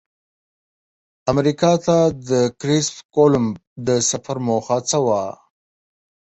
امریکا ته د کرسف کولمب د سفر موخه څه وه؟